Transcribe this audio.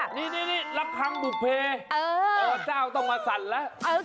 นี่รักฮังบุภเพเออวันเจ้าต้องมาสั่นแล้ว